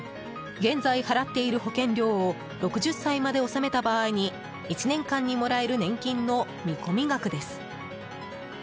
現在払っている保険料を６０歳まで納めた場合に１年間にもらえる年金の見込み額です。